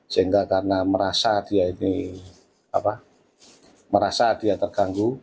sehingga karena merasa dia ini merasa dia terganggu